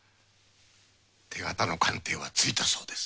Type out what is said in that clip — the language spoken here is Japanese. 手形の鑑定はついたそうです。